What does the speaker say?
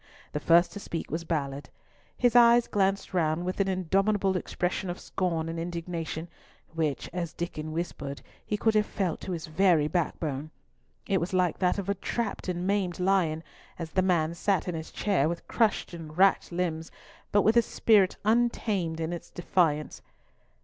The first to speak was Ballard. His eyes glanced round with an indomitable expression of scorn and indignation, which, as Diccon whispered, he could have felt to his very backbone. It was like that of a trapped and maimed lion, as the man sat in his chair with crushed and racked limbs, but with a spirit untamed in its defiance.